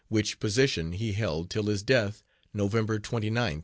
Which position he held till his death November 29th, 1876.